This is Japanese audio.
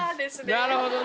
なるほどね。